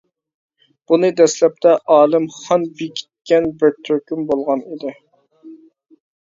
بۇنى دەسلەپتە ئالىم خان بېكىتكەن بىر تۈركۈم بولغان ئىدى.